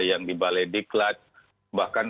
yang di balai diklat bahkan